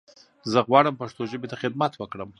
زه غواړم پښتو ژبې ته خدمت وکړم.